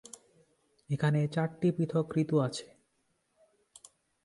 এখানে চারটি পৃথক ঋতু আছে।